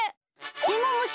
いもむし。